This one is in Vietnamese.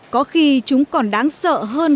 có khi chúng còn đáng sợ hơn